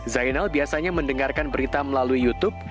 zainal biasanya mendengarkan berita melalui youtube